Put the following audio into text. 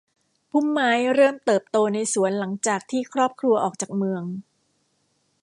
พุ่มไม้เริ่มเติบโตในสวนหลังจากที่ครอบครัวออกจากเมือง